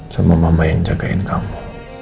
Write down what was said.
semua mama yang jagain kamu